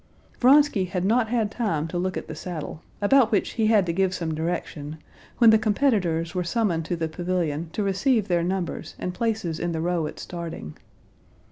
Vronsky had not had time to look at the saddle, about which he had to give some direction, when the competitors were summoned to the pavilion to receive their numbers and places in the row at starting.